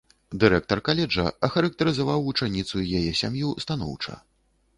Дырэктар каледжа ахарактарызаваў вучаніцу і яе сям'ю станоўча.